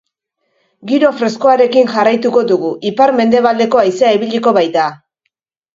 Giro freskoarekin jarraituko dugu, ipar-mendebaldeko haizea ibiliko baita.